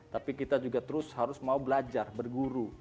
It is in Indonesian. tapi kita juga terus harus mau belajar berguru